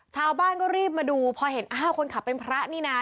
ชาวบ้านก็รีบมาดูพอเห็นอ้าวคนขับเป็นพระนี่นะ